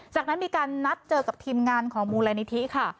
จากนั้นมีการนัดเจอกับทีมงานของมูลนิธิค่ะ